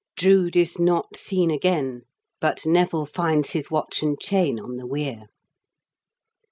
Drood \s not seen again, but Neville finds his watch and chain on the weir.